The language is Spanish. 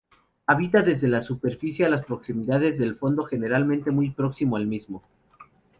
Habita desde la superficie a las proximidades del fondo, generalmente muy próximo al mismo.